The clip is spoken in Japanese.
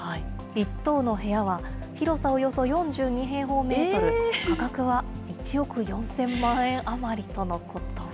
１等の部屋は、広さおよそ４２平方メートル、価格は１億４０００万円余りとのこと。